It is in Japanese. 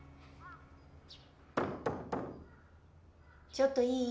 ・・ちょっといい？